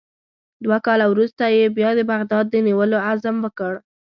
دوه کاله وروسته یې بیا د بغداد د نیولو عزم وکړ.